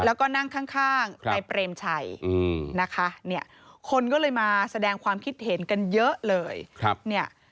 แล้วก็นั่งข้างในเปรมชัยนะคะเนี่ยคนก็เลยมาแสดงความคิดเห็นกันเยอะเลยเนี่ย